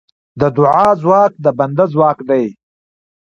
د دعا ځواک د بنده ځواک دی.